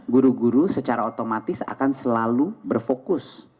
guru guru secara otomatis akan selalu berfokus